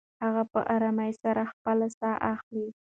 هغه په ارامۍ سره خپله ساه اخلې.